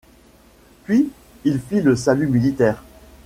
Puis il fit le salut militaire.